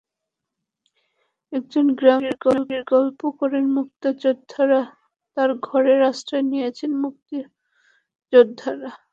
একজন গ্রামীণ নারীর গল্প করেন মুক্তিযোদ্ধারা, তাঁর ঘরে আশ্রয় নিয়েছেন মুক্তিযোদ্ধারা।